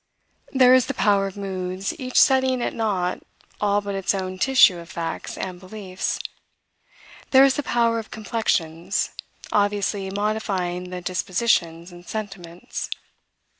There is the power of moods, each setting at nought all but its own tissue of facts and beliefs. There is the power of complexions, obviously modifying the dispositions and sentiments.